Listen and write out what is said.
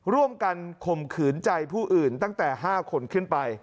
ร่วมกันข่มขืนใจผู้อื่นตั้งแต่๕คนขึ้นไป